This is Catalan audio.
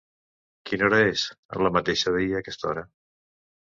Quina hora és? —La mateixa d'ahir a aquesta hora.